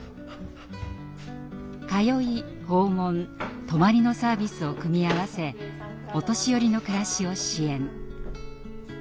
「通い」「訪問」「泊まり」のサービスを組み合わせお年寄りの暮らしを支援。